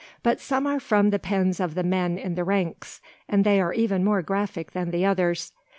But some are from the pens of the men in the ranks, and they are even more graphic than the others.